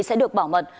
sẽ được bảo mật